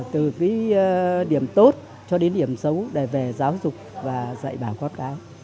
từ cái điểm tốt cho đến điểm xấu để về giáo dục và dạy bảo quốc áo